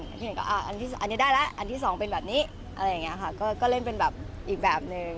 พี่เอกก็อันนี้ได้แล้วอันที่สองเป็นแบบนี้อะไรอย่างนี้ค่ะก็เล่นเป็นแบบอีกแบบนึง